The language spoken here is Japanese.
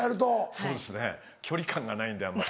そうですね距離感がないんであんまり。